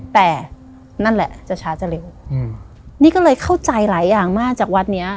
แต่นั่นแหละจะช้าจะเร็วอืมนี่ก็เลยเข้าใจหลายอย่างมากจากวัดเนี้ย